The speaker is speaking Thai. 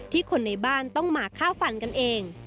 คนในบ้านต้องมาฆ่าฟันกันเอง